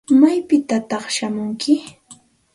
¿Maypitataq shamunki?